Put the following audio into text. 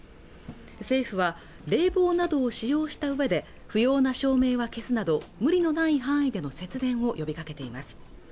政府は冷房などを使用したうえで不要な照明は消すなど無理のない範囲での節電を呼びかけています